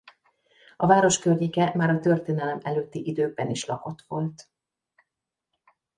A város környéke már a történelem előtti időkben is lakott volt.